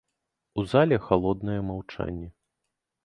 У зале халоднае маўчанне.